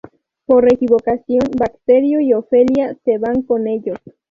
Por equivocación Bacterio y Ofelia se "van" con ellos.